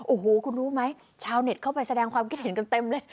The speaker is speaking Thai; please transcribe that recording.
โอ้โหคุณรู้ไหมชาวเน็ตเข้าไปแสดงความคิดเห็นกันเต็มเลย